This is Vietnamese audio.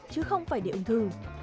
chứ không phải để ông thư